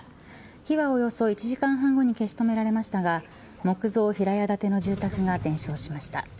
火はおよそ１時間半後に消し止められましたが木造平屋建ての住宅が全焼しました。